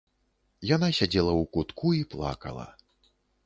Яна сядзела ў кутку і плакала.